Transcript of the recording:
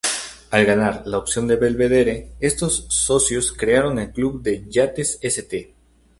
Al ganar la opción de Belvedere, estos socios crearon el Club de Yates St.